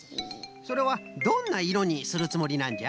それはどんないろにするつもりなんじゃ？